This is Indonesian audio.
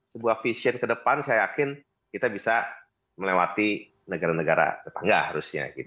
sebuah vision ke depan saya yakin kita bisa melewati negara negara tetangga harusnya